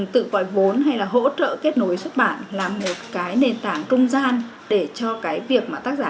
tự gọi vốn hay là hỗ trợ kết nối xuất bản là một cái nền tảng công gian để cho cái việc mà tác giả